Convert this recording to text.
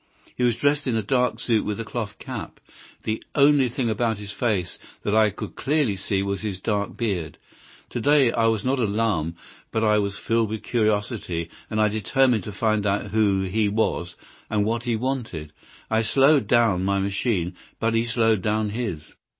He was dressed in a dark suit with a cloth cap. The only thing about his face that I could clearly see was his dark beard. To day I was not alarmed, but I was filled with curiosity, and I determined to find out who he was and what he wanted. I slowed down my machine, but he slowed down his.